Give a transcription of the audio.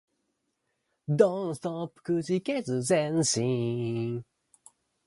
She is the daughter of two Eastern European immigrants.